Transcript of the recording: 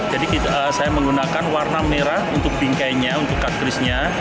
jadi saya menggunakan warna merah untuk bingkainya untuk cut crease nya